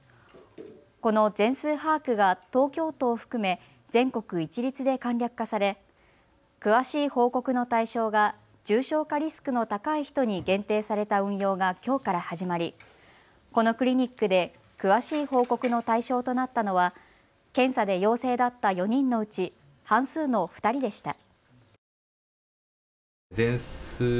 この全数把握が東京都を含め全国一律で簡略化され詳しい報告の対象が重症化リスクの高い人に限定された運用がきょうから始まりこのクリニックで詳しい報告の対象となったのは検査で陽性だった４人のうち半数の２人でした。